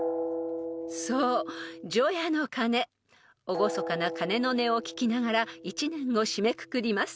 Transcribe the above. ［厳かな鐘の音を聞きながら一年を締めくくります］